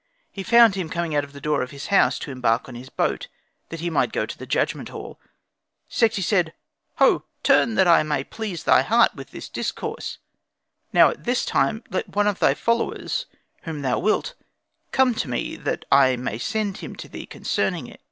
He found him coming out from the door of his house to embark on his boat, that he might go to the judgment hall. Sekhti said, "Ho! turn, that I may please thy heart with this discourse. Now at this time let one of thy followers whom thou wilt, come to me that I may send him to thee concerning it."